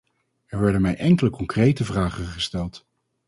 Er werden mij enkele concrete vragen gesteld.